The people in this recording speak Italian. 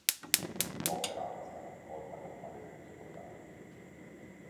L'opera è stata accolta con pareri discordanti.